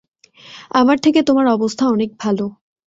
আমার থেকে তোমার অবস্থা অনেক ভালো।